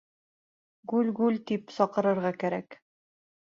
Гүл-гүл тип саҡырырға кәрәк.